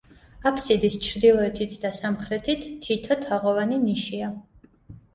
აბსიდის ჩრდილოეთით და სამხრეთით თითო თაღოვანი ნიშია.